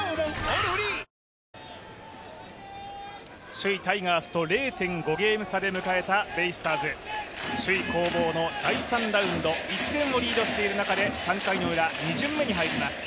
首位タイガースと０．５ゲーム差で迎えたベイスターズ、首位攻防の第３ラウンド、１点をリードしている中で３回ウラ、２巡目に入ります。